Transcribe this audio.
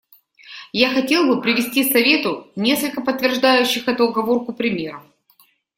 Я хотел бы привести Совету несколько подтверждающих эту оговорку примеров.